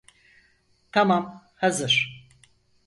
Tamam, hazır.